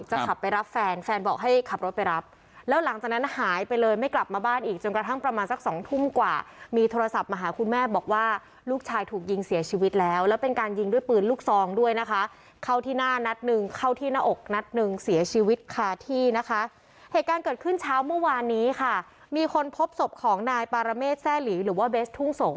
ก็ขับไปรับแฟนแฟนบอกให้ขับรถไปรับแล้วหลังจากนั้นหายไปเลยไม่กลับมาบ้านอีกจนกระทั่งประมาณสักสองทุ่มกว่ามีโทรศัพท์มาหาคุณแม่บอกว่าลูกชายถูกยิงเสียชีวิตแล้วแล้วเป็นการยิงด้วยปืนลูกซองด้วยนะคะเข้าที่หน้านัดหนึ่งเข้าที่หน้าอกนัดหนึ่งเสียชีวิตค่ะที่นะคะเหตุการณ์เกิดขึ้นเช้าเมื่อว